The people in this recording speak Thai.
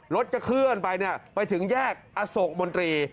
รถจะเคลื่อนไปไปถึงแยกอโศกมนตรี